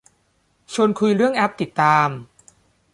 ชวนคุยเรื่องแอปติดตาม